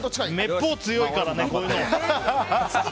めっぽう強いからねこういうの。